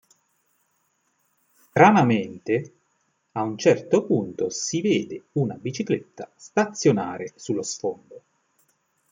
Stranamente, a un certo punto si vede una bicicletta stazionare sullo sfondo.